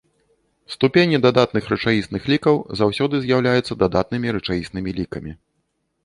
Ступені дадатных рэчаісных лікаў заўсёды з'яўляецца дадатнымі рэчаіснымі лікамі.